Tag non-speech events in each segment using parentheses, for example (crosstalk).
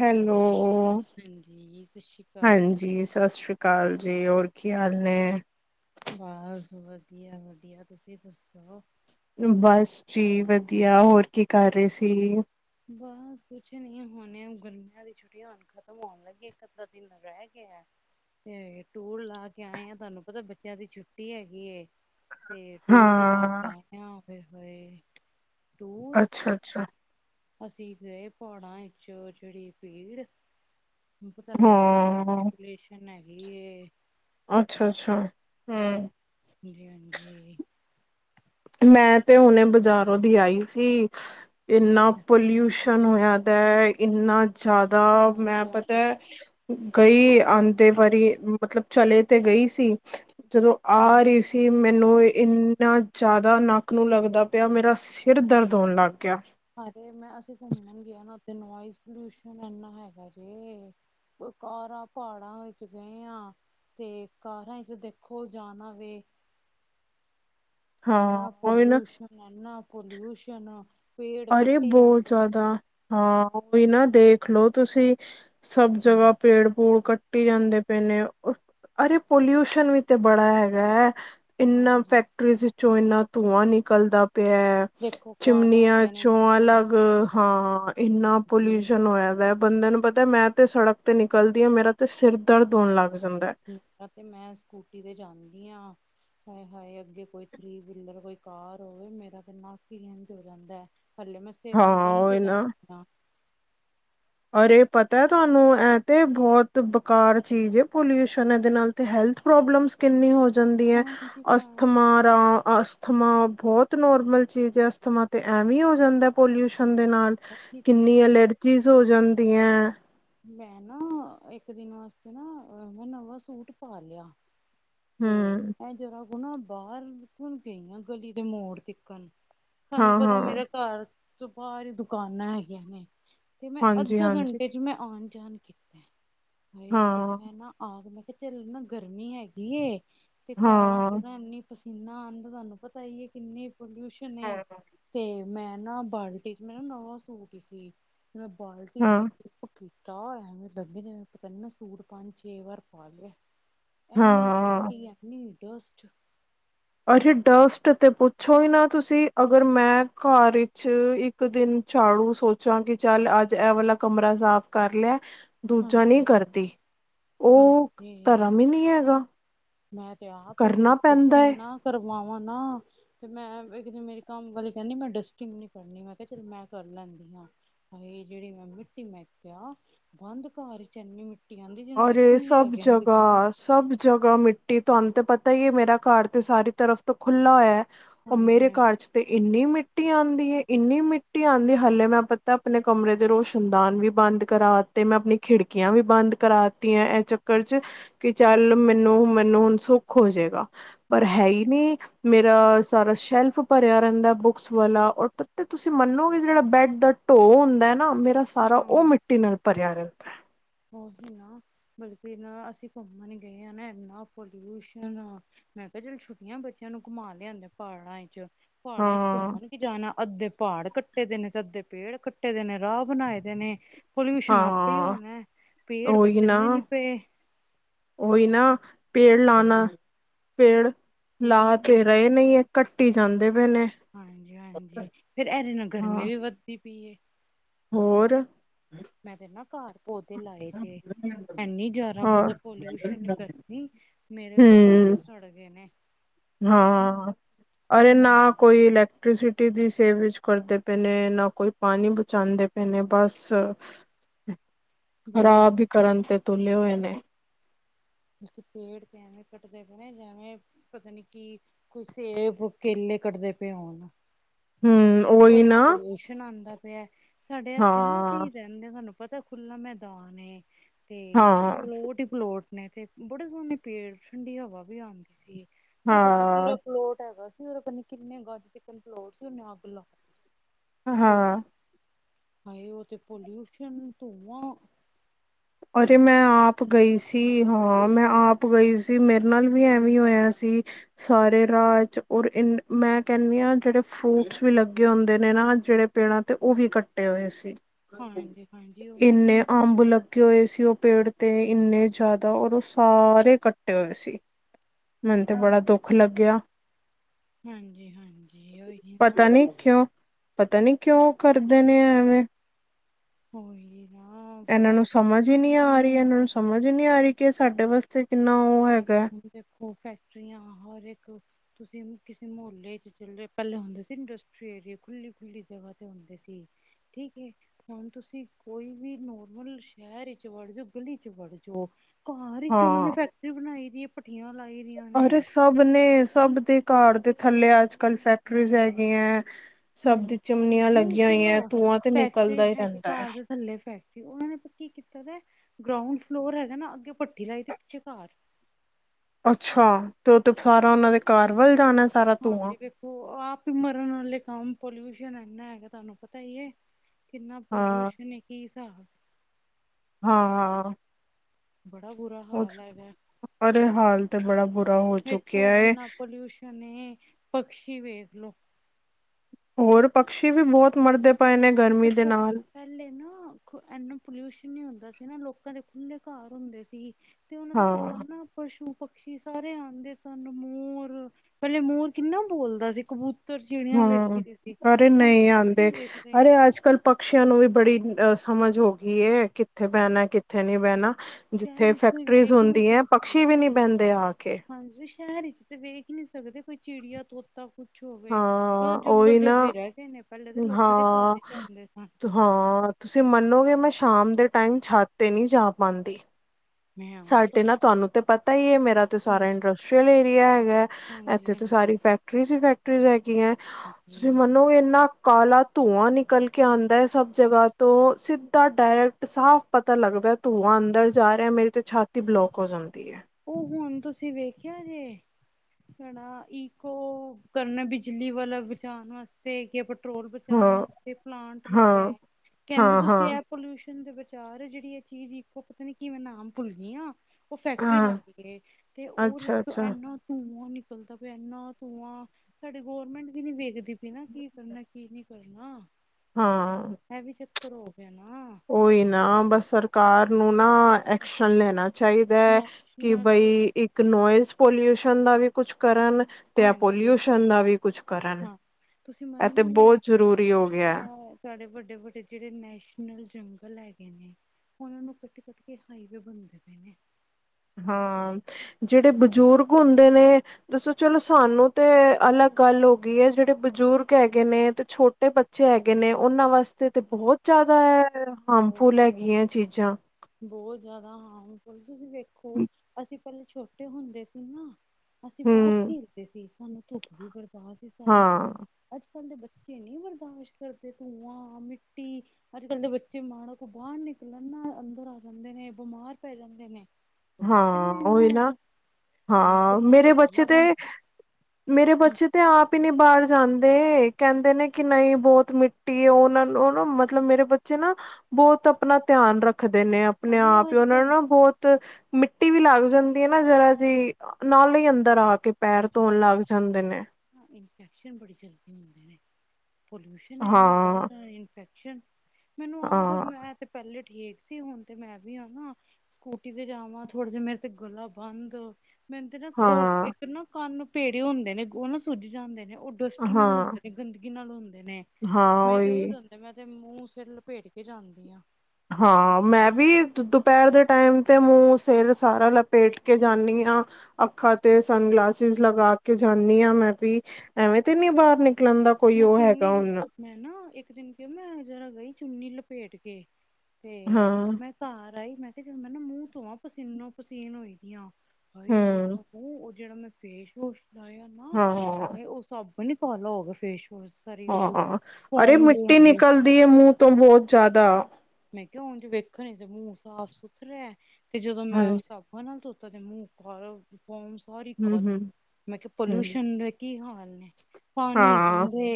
Hello. ਹਾਂਜੀ, ਸ਼ਾਸਰੀ ਕਾਲ ਕਾਲ ਜੀ, ਹੋਰ ਕੀ ਹਾਲ ਨੇ ਬਸ, ਵਧੀਆ-ਵਧੀਆ, ਤੁਸੀ ਦੱਸੋ ਬਸ ਜੀ, ਵਧੀਆ, ਹੋਰ ਕੀ ਕਰ ਰੇ ਸੀ? ਬਸ ਕੁਛ ਨੀ ਹੁਣ ਗਰਮਿਆਂ ਦੀਆ ਛੁੱਟੀਆਂ ਹੁਣ ਖਤਮ ਹੋਣ ਲਗੀ ਇਕ ਅੱਧਾ ਦਿਨ ਰਹਿ ਗਿਆ। ਤੇ ਟੂਰ ਲਾ ਕੇ ਆਏ ਆ ਤੁਹਾਨੂੰ ਪਤਾ ਬੱਚਿਆਂ ਦੀ ਛੁੱਟੀ ਹੈਗੀ ਤੇ ਟੂਰ ਲਾ ਕੇ ਹਾਂ ਆਣੇ ਓਏ ਹੋਏ ਅੱਛਾ-ਅੱਛਾ, ਅਸੀ ਗਏ ਪਹਾੜਾਂ ਵਿੱਚ ਜਿਹੜੀ ਭੀੜ (unintelligible) ਲੱਗਦਾ ਇਨੀ ਹਾਂ ਪਾਪੂਲੇਸ਼ਨ ਹੈਗੀ ਏ। ਹਾਂ, ਜੀ ਹਾਂਜੀ- ਮੈਂ ਤੇ ਹੁਣੇ ਬਾਜ਼ਾਰੋ ਦੀ ਆਈ ਸੀ ਇਨਾ ਹਾਂਜੀ, ਪੋਲੂਸ਼ ਨੂੰ ਹੋਏ ਦਾ ਇਨਾ ਜ਼ਿਆਦਾ ਮੈਂ ਹਾਂਜੀ ਪਤਾ ਗਈ ਆਂਦੇ ਵਾਰੀ ਮਤਲਬ ਚਲੇ ਤੇ ਗਈ ਸੀ ਜਦੋ ਆ ਹਾਂਜੀ, ਰਹੀ ਸੀ ਮੈਨੂੰ ਇਨਾ ਜ਼ਿਆਦਾ ਨੱਕ ਨੂੰ ਲੱਗਦਾ ਪਿਆ ਮੇਰਾ ਸਿਰ ਦਰਦ ਹੋਣ ਲੱਗ ਗਿਆ ਹਾਏ ਮੈਂ ਅਸੀਂ ਘੁੰਮਣ ਗਿਆ ਨਾ ਉਥੇ ਨੋਆਈਸ ਪਲੂਸ਼ਨ ਇਨਾ ਹੈਗਾ ਜੇ ਬਕਾਰ ਪਹਾੜਾਂ ਵਿਚ ਗਏ ਆ। ਤੇ ਕਾਰਾਂ ਚ ਦੇਖੋ ਜਾਣਾ ਵੇ। (inaudible) ਹਾਂ ਐਨਾ ਉਹੀ ਨਾ ਪਲਊਸਨ ਐਨਾ ਪਲਊਸਨ ਅਰੇ ਬਹੁਤ ਜ਼ਿਆਦਾ ਹਾਂ, ਉਹੀ ਨਾ ਦੇਖਲੋ ਤੁਸੀਂ ਸਭ ਨੇ ਜਗ੍ਹਾ ਪੇੜ ਪੂੜ ਕੱ ਟੀ ਜਾਦੇ ਪਏ ਨੇ ਅਰੇ ਪਲੂਊਸ਼ਨ ਵੀ ਤੇ ਬੜਾ ਹੈਗਾ। ਇਨਾ ਹਾਂਜੀ ਫੈਕਟਰੀਜ ਵਿੱਚੋ ਇਨਾ ਧੂਆਂ ਨਿਕਲਦਾ ਪਿਆ ਦੇਖੋ ਕਾਰਾਂ ਚਿਮਨੀਆਂ ਹੈਗੀਆਂ ਨੇ ਚੋਂ ਡੀਜ਼ਲ ਦੀ ਅਲੱਗ ਹਾਂ ਇਨਾ ਤੇ ਪੋਲੂਸ਼ਨ ਹੋਇਆ ਦਾ ਬੰਦੇ ਨੂੰ ਪਤਾ ਮੈਂ ਤੇ ਸੜਕ ਤੇ ਨਿਕਲਦੀ ਆ ਮੇਰਾ ਤੇ ਸਿਰ ਦਰਦ ਹੋਣ ਲੱਗ ਜਾ ਮੇਰਾ ਤੇ ਮੈਂ ਸਕੂਟੀ ਤੇ ਜਾਣੀ ਆ। ਹਾਏ ਹਾਏ, ਅੱਗੇ ਕੋਈ ਥਰੀ ਵ੍ਹੀਲਰ ਕੋਈ ਕਾਰ ਹੋਵੇ ਮੇਰਾ ਤੇ ਨੱਕ ਹੀ ਲੂਜ ਹੋ ਜਾਂਦਾ। ਹਲੇ ਮੈਂ ਸਿਰ ਮੂੰਹ ਹਾਂ ਬਣ ਕੇ ਉਹੀ ਨਾ ਜਾਂਦੀ ਆ। ਅਰੇ ਪਤਾ ਤੁਹਾਨੂੰ ਇਹ ਤੇ ਬਹੁਤ ਬੇਕਾਰ ਚੀਜ਼ ਪੋਲੂਸ਼ਨ ਇਹਦੇ ਨਾਲ ਤੇ ਹੈਲਥ ਪ੍ਰੋਬਲਮ ਕਿੰਨੀ ਹੋ ਜਾਂਦੀ ਐ ਹਾਂਜੀ ਅਸਥਮਾ ਮੈਂ ਰ ਅਸਥਮਾ ਬਹੁਤ ਨੋਰਮਲ ਚੀਜ਼ ਅਸਥਮਾ ਤੇ ਐਵੇ ਹੀ ਹੋ ਜਾਂਦਾ ਪੋਲੂਸ਼ਨ ਦੇ ਨਾਲ ਕਿੰਨੀ ਕਿਤੇ ਐਲਰਜੀ ਹੋ ਜਾਦੀਆਂ ਮੈਂ ਨਾ ਇਕ ਦਿਨ ਵਾਸਤੇ ਨਾ ਮੈਂ ਨਵਾ ਸੂਟ ਪਾ ਲਿਆ ਤੇ ਹਮ ਐ ਜਰਾ ਕੂ ਨਾ ਬਾਹਰ ਗਈਆਂ ਗਲੀ ਦੇ ਮੋੜ ਤਿਕਣ ਹਾਂ ਤੁਹਾਨੂੰ ਪਤਾ ਹਾਂ ਮੇਰੇ ਘਰ ਚ' ਬਾਹਰੀ ਦੁਕਾਨਾਂ ਹੈਗੀਆਂ ਨੇ ਤੇ ਮੈਂ ਹਾਂਜੀ ਅੱਧਾ ਹਾਂਜੀ ਘੰਟੇ ਚ ਮੈਂ ਆਣ ਜਾਣ ਕੀਤੀ ਤੇ ਹਾਂ ਮੈ ਨਾ ਆਕੇ ਮੈ ਕਿਹਾ ਚੱਲ ਨਾ ਗਰਮੀ ਹੈਗੀ। ਐ। ਤੇ ਕਾਰਾਂ ਹਾਂ ਕੂਰਾ ਐਨੀ ਪਸੀਨਾ ਆਂਦਾ ਤੁਹਾਨੂੰ ਪਤਾ ਹੀ ਹੈ। ਕਿਨੇ ਪੋਲਿਊਸ਼ਨ ਏ ਹਾਂ ਤੇ ਮੈਂ ਨਾ ਬਾਲਟੀ ਮੇਰਾ ਨਵਾਂ ਸੂਟ ਸੀ। ਮੈਂ ਬਾਲਟੀ ਚ ਹਾਂ ਉਹ ਕੀਤਾ ਐਵੇ ਡਰਦੀ ਜਿਵੇਂ ਪਤਾ ਨਹੀ ਮੈਂ ਸੂਟ ਪੰਜ ਛੇ ਵਾਰ ਪਾ ਲਿਆ। ਐਨੀ ਹਾਂ ਮਿੱਟੀ ਐਨੀ ਡੱਸਟ ਅਰੇ ਡੱਸਟ ਤੇ ਪੁਛੋ ਹੀ ਨਾ ਤੁਸੀ ਅਗਰ ਮੈਂ ਘਰ ਵਿੱਚ ਇੱਕ ਦਿਨ ਚਾੜੂ ਸੋਚਾ ਕਿ ਚੱਲ ਅੱਜ ਇਹ ਵਾਲਾ ਕਮਰਾ ਸਾਫ਼ ਕਰ ਲਿਆ। ਦੂਜਾ ਨਹੀ ਹਾਏ ਕਰਦੀ ਉਹ ਹਾਏ ਧਰਮ ਈ ਨੀ ਹੈਗਾ। ਮੈਂ ਤੇ ਆਪ ਇਕ ਕਰਨਾ ਦਿਨ ਪੈਂਦਾ ਏ ਡੱਸਟਿੰਗ ਨਾ ਕਰਵਾ ਤੇ ਮੈਂ ਇਕ ਦਿਨ ਮੇਰੀ ਕੰਮ ਵਾਲੀ ਕਹਿੰਦੀ ਮੈਂ ਡੱਸਟਿੰਗ ਨੀ ਕਰਨੀ ਨੀ ਮੈਂ ਕਿਹਾ ਚੱਲ ਮੈਂ ਕਰ ਲੈਂਦੀ ਹਾਏ ਜਿਹੜੀ ਮੈਂ ਮਿੱਟੀ ਮੈਂ ਕਿਆ ਬੰਦ ਕਾਰ ਵਿੱਚ ਐਨੀ ਮਿੱਟੀ ਆਂਦੀ ਜਿਨਾਂ ਦੇ ਅਰੇ ਖੁੱਲੇ ਸਭ ਹੈਗੇ ਨੇ ਜਗਾ ਸਭ ਜਗਾ ਮਿੱਟੀ ਤੁਹਾਨੂੰ ਤਾ ਪਤਾ ਈ ਐ। ਮੇਰਾ ਘਰ ਤੇ ਸਾਰੀ ਤਰਫ਼ ਤੋਂ ਖੁੱਲਾ ਹੋਇਆ। ਉਹ ਹਾਂਜੀ ਹਾਂਜੀ ਮੇਰੇ ਘਰ ਚ ਤੇ ਇੰਨੀ ਮਿੱਟੀ ਮਿੱਟੀ ਆਂਦੀ ਏ, ਇੰਨੀ ਮਿੱਟੀ ਆਂਦੀ ਏ, ਹਲ਼ੇ ਮੈਂ ਪਤਾ ਆਪਣੇ ਕਮਰੇ ਦੇ ਰੋਸ਼ਨਦਾਨ ਵੀ ਬੰਦ ਕਰਾ ਤੇ, ਮੈਂ ਆਪਣੀ ਖਿੜਕੀਆਂ ਵੀ ਬੰਦ ਕਰਾਤੀਆਂ, ਇਹ ਚੱਕਰ ਚ ਕਿ ਚੱਲ ਮੈਨੂੰ, ਮੈਨੂੰ ਹੁਣ ਸੁੱਖ ਹੋਜੇਗਾ। ਹਾਂ ਪਰ ਹੈਈ ਨੀ ਮੇਰਾ ਸਾਰਾ ਸ਼ੈਲਫ ਭਰਿਆ ਰਹਿੰਦਾ ਬੁੱਕਸ ਵਾਲਾ ਔਰ ਪਤਾ ਤੁਸੀਂ ਮੰਨੋਗੇ ਜਿਹੜਾ ਬੈੱਡ ਦਾ ਢੋ ਹੁੰਦਾ ਨਾ ਮੇਰਾ ਸਾਰਾ ਉਹ ਹਾਂ ਮਿੱਟੀ ਨਾਲ ਭਰਿਆ ਰਹਿ ਉਹੀ ਨਾ, ਬਲਕਿ ਨਾ ਅਸੀਂ ਘੁੰਮਣ ਗਏ ਆ ਨਾ, ਇੰਨਾ ਪੋਲਿਊਸ਼ਨ ਮੈਂ ਕਿਹਾ ਚਲ ਛੁੱਟੀਆਂ ਬੱਚਿਆਂ ਨੂੰ ਘੁੰਮਾ ਲਿਆਂਦੇ ਆ ਪਹਾੜਾਂ ਚ, ਪਹਾੜਾਂ ਚ ਹਾਂ ਘੁੰਮਣ ਕਿ ਜਾਣਾ ਅੱਧੇ ਪਹਾੜ ਕੱਟੇ ਦੇ ਨੇ, ਤੇ ਅੱਧੇ ਪੇੜ ਕੱਟੇ ਦੇ ਨੇ, ਰਾਹ ਬਣਾਏ ਦੇ ਨੇ ਪਲਊਸ਼ਨ ਆਪੇ ਈ ਹੋਣਾ। ਪੇੜ ਓਹੀ ਨਾ ਬਚਦੇ ਨੀ ਪਏ ਓਹੀ ਨਾ। ਪੇੜ ਲਾਣਾ, ਪੇੜ ਲਾ ਤੇ ਰਹੇ ਨਹੀਂ ਏ ਕੱਟੀ ਜਾਂਦੇ ਪਏ ਨੇ ਹਾਂਜੀ- ਹਾਂਜੀ, ਫੇਰ ਇਹਦੇ ਨਾਲ ਗਰਮੀ ਹਾਂ ਵੀ ਵੱਧਦੀ ਪਈ ਏ। ਹੋਰ। ਮੈਂ ਤੇ ਨਾ ਘਰ ਪੌਦੇ ਲਾਏ ਹਾਂ ਦੇ ਇਨੀ ਜ਼ਿਆਦਾ ਮਤਲਬ ਪੋਲਿਊਸ਼ਨ ਨ ਗਰਮੀ, ਮੇਰੇ ਤੇ ਪੌਦੇ ਹੂੰ ਸੜ ਗਏ ਨੇ। ਹਾਂ। ਅਰੇ ਨਾ ਕੋਈ ਇਲੈਰਸਿਟੀ ਰਟੀ ਦੀ ਸੇਵ ਵਿੱਚ ਕਰਦੇ ਪਏ ਨੇ, ਨਾ ਕੋਈ ਪਾਣੀ ਬਚਾਂਦੇ ਪਏ ਨੇ ਬਸ ਖਰਾਬ ਬਹੁਤ ਹੀ ਕਰਨ ਤੇ ਤੁਲੇ ਹੋਏ ਨੇ। ਪੇੜ ਤੇ ਐਵੇਂ ਕੱਟਦੇ ਪਏ ਨੇ, ਜਿਵੇਂ ਪਤਾ ਨੀ ਕੀ ਕੋਈ ਸੇਬ, ਕੇਲੇ ਕਟਦੇ ਪਏ ਹੋਣ। ਹੂੰ, ਉਹੀ ਉਹਦੇ ਨਾਲ ਨਾ। ਪੋਲਿਊਸ਼ਨ ਆਉਂਦਾ ਸਾਡੇ ਇੱਥੇ ਨ ਹਾਂ ਅਸੀਂ ਰਹਿੰਦੇ ਹਾਂ, ਸਾਨੂੰ ਪਤਾ ਖੁਲਾ ਮੈਦਾਨ ਏ ਤੇ ਹਾਂ ਪਲੋਟ ਹੀ ਪਲੋਟ ਨੇ, ਤੇ ਬੜੇ ਸੋਹਣੇ ਪੇੜ, ਠੰਡੀ ਹਵਾ ਵੀ ਆਂਉਦੀ ਸੀ। ਪਤਾ ਨੀ ਕਿਹੜਾ ਹਾਂ ਪਲੋਟ ਹੈਗਾ ਸੀ। ਔਰ ਪਤਾ ਨੀ ਕਿੰਨੇ ਗੰਜ ਚ ਪਲੋਟ ਸੀ, ਉਹਨੇ ਅੱਗ ਲ ਹਾਂ। ਹਾਏ! ਉਹ ਤੇ ਪੋਲਿਊਸ਼ਨ, ਧੂੰਆਂ ਅਰੇ ਮੈਂ ਆਪ ਗਈ ਸੀ। ਹਾਂ, ਮੈਂ ਆਪ ਗਈ ਸੀ ਮੇਰੇ ਨਾਲ ਵੀ ਐਵੇਂ ਹੋਇਆ ਸੀ। ਸਾਰੇ ਰਾਹ ਚ ਮੈਂ ਕਹਿਨੀ ਹਾਂ ਜਿਹੜੇ ਫਰੂਟਸ ਵੀ ਲੱਗੇ ਹੁੰਦੇ ਨੇ ਨਾ, ਜਿਹੜੇ ਪੇੜਾਂ ਤੇ ਉਹ ਵੀ ਕੱਟੇ ਹੋਏ ਸੀ। ਹਾਂਜੀ, -ਹਾਂਜੀ, ਉਹੀ ਇੰਨੇ ਨਾ। ਅੰਬ ਲੱਗੇ ਹੋਏ ਸੀ। ਉਹ ਪੇੜ ਤੇ ਇੰਨੇ ਜ਼ਿਆਦਾ ਔਰ ਉਹ ਸਾਰੇ ਕੱਟੇ ਹੋਏ ਸੀ। ਤੇ ਬੜਾ ਦੁੱਖ ਲੱਗਿਆ। ਹਾਂਜੀ ਹਾਂਜੀ ਉਹੀ ਨਾ ਪਤਾ ਨੀ ਕਿਉਂ, ਪਤਾ ਨਹੀਂ ਕਿਉਂ ਕਰਦੇ ਨੇ ਐਵੇਂ? ਔਹੀ। ਇਹਨਾਂ ਨੂੰ ਸਮਝ ਹੀ ਨਹੀਂ ਆ ਰਹੀ, ਇਹਨਾਂ ਨੂੰ ਸਮਝ ਹੀ ਨਹੀਂ ਆ ਰਹੀ ਕਿ ਸਾਡੇ ਵਾਸਤੇ ਕਿੰਨਾ ਉਹ ਹੈ। ਦੇਖੋ ਫੈਕਟਰੀਆਂ ਹਰ ਇੱਕ ਤੁਸੀ ਕਿਸੇ ਮੁਹੱਲੇ ਚ ਪਹਿਲੇ ਹੁੰਦੇ ਸੀ ਇੰਡਸਟਰੀ ਏਰੀ ਖੁੱਲੀ-ਖੁੱਲੀ ਜਗਾ ਤੇ ਹੁੰਦੇ ਸੀ। ਠੀਕ ਏ, ਹੁਣ ਤੁਸੀਂ ਕੋਈ ਵੀ ਨੋਰਮਲ ਸ਼ਹਿਰ ਚ ਵੜ ਜਾਓ, ਗਲੀ ਚ ਵੜ ਜਾਓ। ਘਰ ਇਚ ਉਹਨਾਂ ਨੇ ਹਾਂ ਫੈਕਟਰੀ ਬਣਾਈ। ਦੀ ਹੈ ਭੱਠੀਆਂ ਲਾਈ ਦੀਆਂ ਨੇ ਅਰੇ ਸਭ ਨੇ, ਸਭ ਦੇ ਘਰ ਦੇ ਥੱਲੇ, ਅੱਜ-ਕੱਲ ਫੈਕਟਰੀਜ਼ ਹੈਗੀਆਂ। ਸਭ ਹਾਂਜੀ, ਦੀ ਚਿਮਨੀਆਂ ਨਹੀਂ ਲੱਗੀਆਂ ਹੋਈਆਂ ਚਲੋ, ਧੂੰਆਂ ਤੇ ਪੈਸੇ ਨਿਕਲਦਾ ਹੀ ਹੈਗੇ ਰਹਿੰਦਾ ਹੈ ਕਾਰ ਦੇ ਥੱਲੇ ਫੈਕਟਰੀ ਉਹਨਾਂ ਨੇ ਕੀ ਕੀਤਾ ਦਾ ਏ, ਗਰਾਊਂਡ ਫਲੋਰ ਹੈਗਾ ਨਾ ਅੱਗੇ ਭੱਠੀ ਲਾਈ ਤੇ ਪਿੱਛੇ ਕਾਰ ਅੱਛਾ। ਤੇ ਉਹ ਤੇ ਸਾਰਾ ਉਹਨਾਂ ਦੇ ਕਾਰ ਵੱਲ ਜਾਣਾ ਸਾਰਾ ਧੂੰਆਂ ਹਾਂਜੀ ਵੇਖੋ, ਆਪ ਹੀ ਮਰਨ ਆਲੇ ਕੰਮ ਪੋਲਿਊ ਸ਼ਨ ਇਨਾ ਹੈਗਾ ਤੁਹਾਨੂੰ ਪਤਾ ਈ ਏ। ਕਿੰਨਾ ਹਾਂ ਪੋਲਊਸ਼ਨ ਕੀ ਸਾਬ ਹਾਂ। ਬੜਾ ਬੁਰਾ ਹਾਲ ਹੈਗਾ। ਅਰੇ, ਹਾਲ ਤੇ ਬੜਾ ਬੁਰਾ ਹੋ ਵੇਖੋ ਚੁੱਕਿਆ ਹੈ ਇਨਾ ਪੋਲਿਊਸ਼ਨ ਏ, ਪਸ਼ੀ ਵੇਖਲੋ? ਹੋਰ ਪਕਸ਼ੀ ਵੀ ਬਹੁਤ ਮਰਦੇ ਪਏ ਨੇ ਗਰਮੀ ਦੇ ਦੇਖੋ, ਨਾਲ ਪਹਿਲੇ ਨਾ ਇਹਨਾ ਪੋਲਿਊਸ਼ਨ ਨਹੀਂ ਹੁੰਦਾ ਸੀ ਨਾ। ਲੋਕਾਂ ਦੇ ਖੁੱਲੇ ਘਰ ਹੁੰਦੇ ਸੀ। ਤੇ ਉਹਨਾਂ ਦੇ ਹਾਂ ਘਰ ਨਾ ਪਸ਼ੂ- ਪਕਸ਼ੀ ਸਾਰੇ ਆਉਂਦੇ ਸਨ। ਮੋਰ! ਪਹਿਲੇ ਮੋਰ ਕਿੰਨਾ ਬੋਲਦਾ ਸੀ। ਕਬੂਤਰ ਚਿੜੀਆਂ ਹਮ! ਵੇਖੀ ਦੀ ਸੀ। ਅਰੇ ਹੁਣ ਨਹੀਂ ਕੁਛ ਆਉਂਦੇ। ਨੀ ਵੇਖਦੇ ਅਰੇ ਅੱਜ ਅੱਜ ਕੱਲ੍ਹ ਪਕਸ਼ੀਆਂ ਨੂੰ ਵੀ ਬੜੀ ਅ ਸਮਝ ਹੋ ਗਈ ਹੈ। ਕਿੱਥੇ ਬਹਿਣਾ! ਕਿੱਥੇ ਨਹੀਂ ਬਹਿਣਾ। ਸ਼ਹਿਰ ਜਿੱਥੇ ਵਿੱਚ ਕੋਈ ਫੈਕਟਰੀਜ਼ ਵੇਖ ਹੀ ਨਹੀਂ ਹੁੰਦੀ ਹੈ। ਸਕਦੇ ਪਏ। ਪਕਸ਼ੀ ਵੀ ਨੀ ਬੈਂਦੇ ਆਕੇ। ਹਾਂਜੀ ਸ਼ਹਿਰ ਵਿਚ ਤੇ ਵੇਖ ਹੀ ਨਹੀਂ ਸਕਦੇ। ਕੋਈ ਚਿੜੀਆਂ, ਤੋਤਾ। ਕੁਛ ਹੋਵੇ। ਹਾਂ ਉਹੀ ਜੰਗਲ ਨਾ ਜੋਗੀ ਰਹਿ ਗਏ ਨੇ। ਪਹਿਲੇ ਤੇ ਲੋਕਾਂ ਦੇ ਘਰ ਹਾਂ, ਹੀ ਜਾਂਦੇ ਸਨ। ਤੁ- ਹਾਂ ਤੁਸੀਂ ਮੰਨੋਗੇ। ਮੈਂ ਸ਼ਾਮ ਦੇ ਟਾਈਮ ਛੱਤ ਤੇ ਨਹੀਂ ਜਾ ਪਾਉਂਦੀ। ਮੈਂ ਆਪ ਸਾਡੇ ਨਾ ਤੁਹਾਨੂੰ ਤੇ ਪਤਾ ਹੀ ਹੈ। ਮੇਰਾ ਤੇ ਸਾਰਾ ਹਾਂਜੀ ਇੰਡਸਟਰੀਅਲ ਏਰੀਆ ਹੈਗਾ। ਹਾਂਜੀ ਇੱਥੇ ਤਾਂ ਸਾਰੀ ਫੈਕਟਰੀ ਫੈਕਟਰੀ ਹੈਗੀ ਹੈ। ਤੁਸੀਂ ਹਾਂਜੀ। ਮੰਨੋਗੇ, ਇੰਨਾ ਕਾਲਾ ਧੂੰਆਂ ਨਿਕਲ ਕੇ ਆਉਂਦਾ ਹੈ ਸਭ ਜਗ੍ਹਾ ਤੋਂ। ਸਿੱਧਾ ਡਾਇਰੈਕਟ ਸਾਫ਼ ਪਤਾ ਲੱਗਦਾ ਧੂੰਆਆਂ ਅੰਦਰ ਜਾ ਰਿਹਾ। ਮੇਰੀ ਤੇ ਛਾਤੀ ਬਲੋਕ ਹੋ ਜਾਂਦੀ ਹੈ। ਉਹ ਹੁਣ ਤੁਸੀਂ ਵੇਖਿਆ ਜੇ (unintelligible) ਪੈਟਰੋਲ ਬਚਾਉਣ ਹਾਂ, ਵਾਸਤੇ ਪਲਾਂਟ ਲਾਇਆ। ਹਾਂ, ਕਹਿੰਦੇ ਹਾਂ, ਤੁਸੀਂ ਹਾਂ, ਇਹ ਪੋਲਯੂਸ਼ਨ ਦੇ ਵਿਚਾਰ ਹੈ। ਜਿਹੜੀ ਇਹ ਚੀਜ਼ ਇੱਕੋ ਪਤਾ ਨੀ ਕਿ ਮੈਂ ਨਾਮ ਭੁੱਲ ਗਈ ਆ। (unintelligible) ਲਦਾ ਹਾਂ ਵੀ ਅੱਛਾ, ਅੱਛਾ ਇਨਾ ਧੂੰਆਂ। ਸਾਡੀੇ ਗੌਰਮੈਂਟ ਵੀ ਨੀ ਵੇਖਦੀ ਪ ਨਾ। ਕੀ ਕਰਨਾ ਕੀ ਨਹੀਂ (unintelligible) ਹਾਂ ਇਹ ਵੀ ਚੱਕਰ ਹੋ ਗਿਆ ਨਾ ਉਹੀ ਨਾ ਬਸ ਸਰਕਾਰ ਨੂੰ ਨਾ ਐਕਸ਼ਨ ਲੈਣਾ ਚਾਹੀਦਾ। ਕਿ ਨੈਸ਼ਨਲ ਬਈ ਇੱਕ ਨੋਇਜ਼ ਪੋਲਿਊਸ਼ਨ ਦਾ ਵੀ ਕੁਛ ਕਰਨ ਤੇ ਹਾਂਜੀ ਪੋਲਿਊਸ਼ਨ ਦਾ ਵੀ ਕੁਛ ਕਰਨ। ਹਾਂ। ਤੁਸੀਂ ਇਹ ਤੇ ਮੰਨੋਗੇ ਬਹੁਤ ਜ਼ਰੂਰੀ ਹੋ ਗਿਆ। ਇਹ ਸਾਡੇ ਵੱਡੇ ਵੱਡੇ ਜਿਹੜੇ ਨੈਸ਼ਨਲ ਜੰਗਲ ਲੈ ਗਏ ਨੇ ਹੁਣ ਉਹਨੂੰ ਕੱਟ ਕੱਟ ਕੇ ਹਾਈਵੇ ਬਣਦੇ ਪਏ ਨੇ। ਹਾਂ ਜਿਹੜੇ ਬਜ਼ੁਰਗ ਹੁੰਦੇ ਨੇ ਦੱਸੋ ਚਲੋ ਸਾਨੂੰ ਤੇ ਅਲੱਗ ਗੱਲ ਹੋ ਗਈ ਹੈ। ਜਿਹੜੇ ਬਜ਼ੁਰਗ ਹੈਗੇ ਨੇ ਤੇ ਛੋਟੇ ਬੱਚੇ ਹੈਗੇ ਨੇ ਉਹਨਾਂ ਵਾਸਤੇ ਤੇ ਬਹੁਤ ਜ਼ਿਆਦਾ ਬਹੁਤ ਹਾਰਮਫੁਲ ਜ਼ਿਆਦਾ ਹੈਗੀਆਂ ਚੀਜ਼ਾਂ। ਬਹੁਤ ਜ਼ਿਆਦਾ ਹਾਂ। ਤੁਸੀਂ ਵੇਖੋ ਅਸੀਂ ਪਹਿਲੇ ਛੋਟੇ ਹੁੰਦੇ ਸੀ ਨਾ ਅਸੀਂ ਬਾਹਰ ਹਮ ਖੇਡਦੇ ਸੀ। ਸਾਨੂੰ ਧੁੱਪ ਵੀ ਬਰਦਾਸ਼ ਸੀ। ਸਾਰਾ ਕੁਛ ਅੱਜ ਹਾਂ ਅੱਜ ਕੱਲ ਦੇ ਬੱਚੇ ਨੀ ਬਰਦਾਸ਼ਤ ਕਰਦੇ। ਧੂੰਆਂ, ਮਿੱਟੀ ਅੱਜ ਕੱਲ ਦੇ ਬੱਚੇ ਮਾੜ ਕੋ ਬਾਹਰ ਨਿਕਲਣ ਨਾ! ਅੰਦਰ ਆ ਜਾਂਦੇ ਨੇ। ਬਿਮਾਰ ਪੈ ਜਾਂਦੇ ਨੇ। ਪੋਲਿਊਸ਼ਨ ਹਾਂ ਹੀ ਉਹੀ ਇੰਨਾ ਨਾ ਹੈਗਾ ਨੱਕ ਹਾਂ ਬੰਦ ਮੇਰੇ ਬੱਚੇ ਗਲਾ ਤੇ ਬੰਦ ਮੇਰੇ ਬੱਚੇ ਤੇ ਆਪ ਹੀ ਨੇ ਬਾਹਰ ਜਾਂਦੇ। ਕਹਿੰਦੇ ਨੇ ਕਿ ਨਹੀਂ ਬਹੁਤ ਮਿੱਟੀ ਹੈ। ਉਹਨਾਂ ਨੂੰ ਨਾ ਮਤਲਬ ਮੇਰੇ ਬੱਚੇ ਨਾ ਬਹੁਤ ਆਪਣਾ ਧਿਆਨ ਰੱਖਦੇ ਨੇ। ਆਪਣੇ ਅਰੇ ਆਪ ਹੀ। ਉਹਨਾਂ ਨੂੰ ਨਾ ਅੱਜ-ਕੱਲ੍ਹ ਬਹੁਤ ਮਿੱਟੀ ਵੀ ਲੱਗ ਜਾਂਦੀ ਹੈ ਨਾ ਜਹੜਾ ਜੀ ਨਾਲ ਹੀ ਅੰਦਰ ਆ ਕੇ ਕੇ ਪੈਰ ਧੋਣ ਅੱਜ-ਕੱਲ੍ਹ ਲੱਗ ਜਾਂਦੇ ਨੇ। ਨਾ ਇਨਫੈਕਸ਼ਨ ਬੜਾ ਜਲਦੀ ਹੋਂਦਏ ਨੇ। ਪੋਲੂਸ਼ਨ ਇਨ੍ਹਾਂ ਹਾਂ ਹੈ। ਇੰਫੈਕਸ਼ਨ ਮੈਨੂੰ ਆਪ ਹਾਂ ਮੈਂ ਤੇ ਪਹਿਲੇ ਠੀਕ ਸੀ। ਹੁਣ ਤੇ ਮੈਂ ਵੀ ਆ ਨਾ ਸਕੂਟੀ ਤੇ ਜਾਵਾਂ ਥੋੜੇ ਜਹੇ ਮੇਰੇ ਤੇ ਗਲਾ ਬੰਦ ਹਾਂ (unintelligible) ਕੰਨ ਪੇੜੇ ਹੁੰਦੇ ਨੇ। ਉਹ ਨਾ ਸੁੱਜ ਜਾਂਦੇ ਨੇ। ਉਹ ਡਸਟ ਨਾਲ ਹਾਂ ਹੁੰਦੇ ਨੇ। ਗੰਦਗੀ ਨਾਲ ਹੁੰਦੇ ਨੇ। ਹਾਂ ਮੈਂ ਤੇ ਉਹ ਉਹੀ ਜਾਂਦਾ। ਮੈਂ ਤੇ (unintelligible) ਹਾਂ ਮੈਂ ਵੀ ਦੁਪਹਿਰ ਦੇ ਟਾਈਮ ਤੇ ਮੂੰਹ ਸਿਰ ਸਾਰਾ ਲਪੇਟ ਕੇ ਜਾਂਦੀ ਹਾਂ। ਅੱਖਾਂ ਤੇ ਸਨਗਲਾਸਿਸ ਲਗਾ ਕੇ ਜਾਂਦੀ ਹ ਮੈਂ ਵੀ। ਐਵੇਂ ਤੇ ਨੀ ਬਾਹਰ ਨਿਕਲ ਨਿਕਲਣ ਦਾ ਕੋਈ। ਮੈਂ ਉਹ ਹੈਗਾ ਚੁੰਨੀ ਹੁਣ। ਮੈਂ ਨਾ ਇੱਕ ਦਿਨ ਕਿਹਾ ਮੈਂ ਜਰਾ ਗਈ ਚੁੰਨੀ ਲਪੇਟ ਕੇ ਤੇ ਹਾਂ ਮੈਂ ਘਰ ਆਈ। ਮੈਂ ਕਿਹਾ ਚ ਮੈਂ ਮੂੰਹ ਧੋਵਾਂ ਪਸੀਨੋ ਪਸੀਨ ਹੋਈ ਦੀਆਂ ਹਾਏ ਹਮ ਮੂੰਹ ਜਿਹੜਾ ਮੈਂ ਫੇਸ ਵਾਸ਼ ਲਾਇਆ ਨਾ ਹਾਂ (unintelligible) ਹਾਂ, ਉਹ ਹਾਂ ਅਰੇ ਫੋਮ ਜੇ ਮਿੱਟੀ ਹੁੰਦੀ ਨਿਕਲਦੀ ਹੈ ਮੂੰਹ ਤੋਂ ਬਹੁਤ ਜ਼ਿਆਦਾ। ਮੈਂ ਕਿਹਾ ਹੁਣ ਜ ਵੇਖਣ ਤੇ ਮੂੰਹ ਸਾਫ਼ ਸੁਥਰਾ ਤੇ ਜਦੋਂ ਮੈਂ ਹਾਂਜੀ ਉਸ ਆਪਾਂ ਨਾਲ ਓਦਾ ਮੂਹ ਕਾਲਾ ਯੂਨੀਫੋਮ ਸਾਰੀ ਹਮ ਕਾਲੀ ਹਮ ਮੈਂ ਕਿਹਾ ਹਮ ਪੋਲਊਸ਼ਨ ਦੇ ਕੀ ਹਾਲ ਨੇ ਪਾਣੀ ਹਾਂ ਗੰਦੇ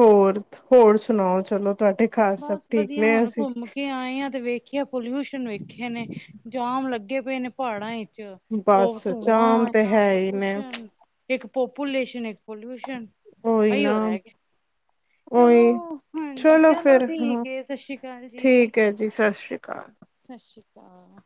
ਹੋਰ, ਹੋਰ ਸੁਣਾਓ ਚਲੋ। ਤੁਹਾਡੇ ਘਰ ਸਭ ਬਸ ਠੀਕ ਵਧੀਆ ਨੇ ਹੁਣ ਅਸੀਂ ਘੁੰਮ ਕੇ ਆਏ ਆ ਤੇ ਵੇਖਿਆ ਪੋਲਿਊਸ਼ਨ (unintelligible) ਵੇਖੇ ਨੇ ਜਾਮ ਲੱਗੇ ਪਏ ਨੇ ਪਹਾੜਾਂ ਉਹ ਬਸ ਜਾਮ ਧੂੰਆਂ ਤੇ ਐਨਾ ਹੈ ਹੀ ਨੇ ਪੋਲਿਊਸ਼ਨ ਇੱਕ ਪੋਪੂਲੇਸ਼ਨ ਇੱਕ ਪੋਲਊਸ਼ਨ ਉਹੀ ਨਾ ਚਲੋ ਉਹੀ ਹਾਂਜੀ ਚਲੋ ਫਿਰ ਹਾਂ ਠੀਕ ਏ ਸਤਿ ਸ਼੍ਰੀ ਅਕਾਲ ਜੀ ਠੀਕ ਹੈ ਜੀ, ਸਤਿ ਸ੍ਰੀ ਅਕਾਲ। ਸਤਿ ਸ਼੍ਰੀ ਅਕਾਲ।